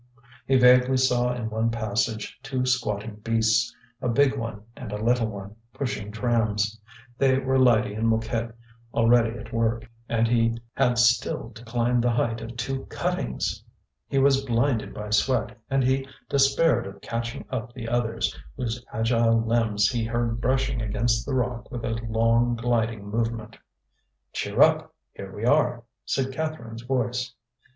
He vaguely saw in one passage two squatting beasts, a big one and a little one, pushing trams: they were Lydie and Mouquette already at work. And he had still to climb the height of two cuttings! He was blinded by sweat, and he despaired of catching up the others, whose agile limbs he heard brushing against the rock with a long gliding movement. "Cheer up! here we are!" said Catherine's voice.